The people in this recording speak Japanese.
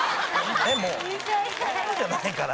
俺のじゃないから。